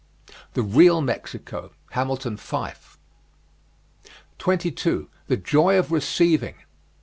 "The Real Mexico," Hamilton Fyfe. 22. THE JOY OF RECEIVING.